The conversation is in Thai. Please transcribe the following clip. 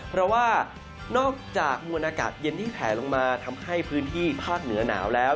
เพราะว่านอกจากมวลอากาศเย็นที่แผลลงมาทำให้พื้นที่ภาคเหนือหนาวแล้ว